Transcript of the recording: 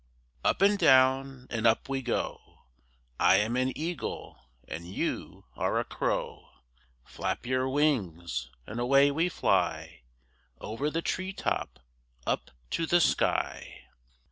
UP and down and up we go! I am an eagle and you are a crow: Flap your wings, and away we fly, Over the tree top, up to the sky.